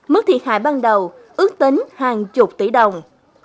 mức thiệt hại ban đầu ước tính hàng chục tỷ đồng